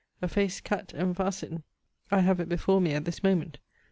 a face kat' emphasin! I have it before me at this moment.